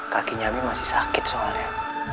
kakinya masih sakit soalnya